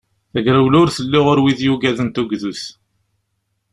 Tagrawla ur telli ɣur wid yugaden tugdut.